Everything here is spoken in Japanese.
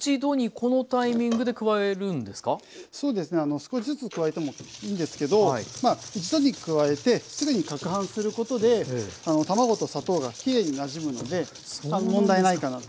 少しずつ加えてもいいんですけど一度に加えてすぐに攪拌することで卵と砂糖がきれいになじむので問題ないかなと。